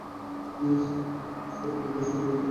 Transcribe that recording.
Sir, তার communist পার্টির লোকদের সাথে ভালো সম্পর্ক রয়েছে।